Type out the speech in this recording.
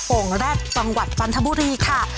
โอ่งแร็ดจังหวัดจันทบุรีค่ะ